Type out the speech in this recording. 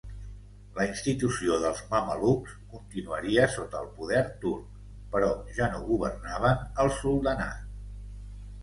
La institució dels mamelucs continuaria sota el poder turc, però ja no governaven el soldanat.